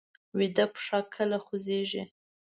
ویده پښه کله خوځېږي